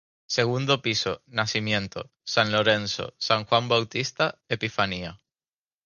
Segundo piso: Nacimiento, San Lorenzo, San Juan Bautista, Epifanía.